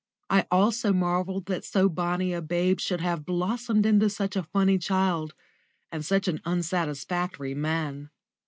I also marvelled that so bonny a babe should have blossomed into such a funny child, and such an unsatisfactory man.